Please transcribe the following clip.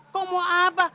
kok mau apa